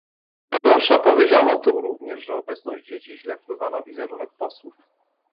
Co gorsza, powiedziano tu również, że "obecność dzieci źle wpływa na wizerunek posłów"